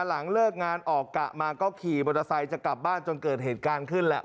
หลังเลิกงานออกกะมาก็ขี่มอเตอร์ไซค์จะกลับบ้านจนเกิดเหตุการณ์ขึ้นแหละ